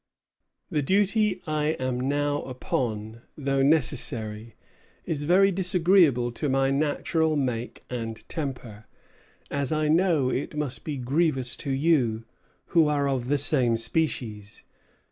The duty I am now upon, though necessary, is very disagreeable to my natural make and temper, as I know it must be grievous to you, who are of the same species.